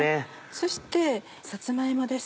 そしてさつま芋です。